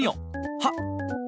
はっ。